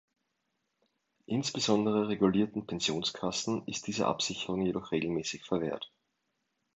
Insbesondere regulierten Pensionskassen ist diese Absicherung jedoch regelmäßig verwehrt.